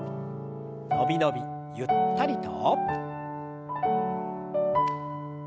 伸び伸びゆったりと。